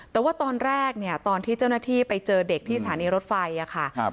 แต่ว่าตอนแรกเนี่ยตอนที่เจ้าหน้าที่ไปเจอเด็กที่สถานีรถไฟค่ะ